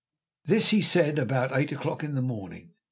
This he said about eight o'clock in the morning.